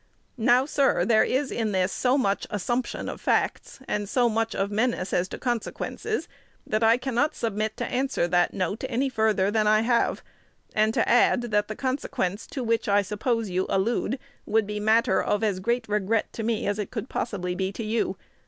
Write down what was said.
Now, sir, there is in this so much assumption of facts, and so much of menace as to consequences, that I cannot submit to answer that note any further than I have, and to add, that the consequence to which I suppose you allude would be matter of as great regret to me as it possibly could to you.